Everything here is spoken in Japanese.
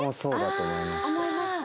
思いました？